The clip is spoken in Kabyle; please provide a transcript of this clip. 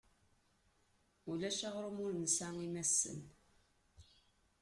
Ulac aɣrum ur nesɛi imassen.